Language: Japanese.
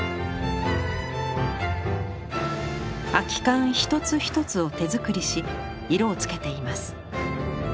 空き缶一つ一つを手作りし色を付けています。